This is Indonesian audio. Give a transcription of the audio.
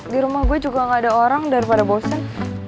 di rumah gue juga gak ada orang daripada bosen